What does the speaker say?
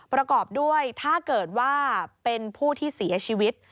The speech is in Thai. ประกอบด้วยถ้าเกิดว่าเป็นผู้ที่เสียชีวิต